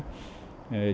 chính vì vậy mà